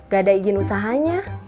gak ada izin usahanya